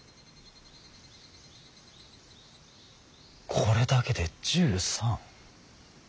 これだけで１３。